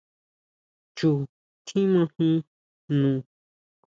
Chu tjímajin jno.